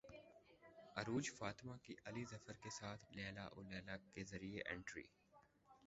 عروج فاطمہ کی علی ظفر کے ساتھ لیلی او لیلی کے ذریعے انٹری